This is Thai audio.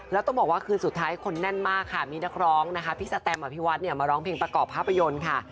แล้วต้องบอกว่าคืนสุดท้ายคนแน่นมากค่ะมีนักร้องนะคะพี่สแตมอภิวัฒน์เนี่ยมาร้องเพลงประกอบภาพยนตร์ค่ะ